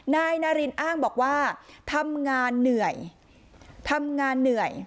นายนารินอ้างบอกว่าทำงานเหนื่อยทำงานเหนื่อย